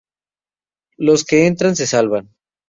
Los que entran, se salvan.